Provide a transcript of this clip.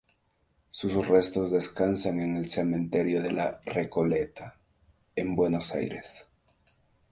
Sus restos descansan en el Cementerio de la Recoleta, en Buenos Aires.